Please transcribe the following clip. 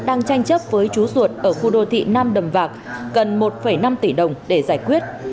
đang tranh chấp với chú ruột ở khu đô thị nam đầm vạc cần một năm tỷ đồng để giải quyết